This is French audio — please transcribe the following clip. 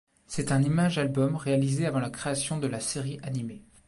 C'est un image album réalisé avant la création de la série animée.